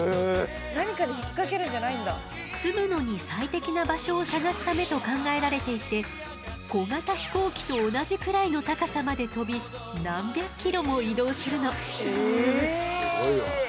すむのに最適な場所を探すためと考えられていて小型飛行機と同じくらいの高さまで飛び何百キロも移動するの。